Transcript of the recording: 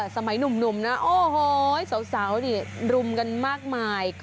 สมัยหนุ่มนะโอ้โหสาวนี่รุมกันมากมาย